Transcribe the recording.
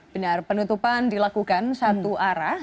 benar penutupan dilakukan satu arah